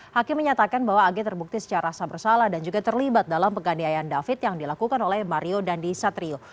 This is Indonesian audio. hakim menyatakan bahwa ag terbukti secara sabersalah dan juga terlibat dalam penganiayaan david yang dilakukan oleh mario dandi satrio